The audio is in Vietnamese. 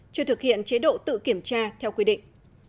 chưa thực hiện chế độ tự kiểm tra theo quy định